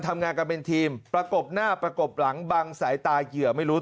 ทำงานกันเป็นทีมประกบหน้าประกบหลังบังสายตาเหยื่อไม่รู้